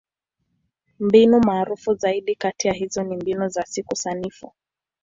Mbinu maarufu zaidi kati ya hizo ni Mbinu ya Siku Sanifu.